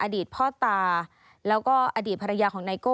อดีตพ่อตาแล้วก็อดีตภรรยาของไนโก้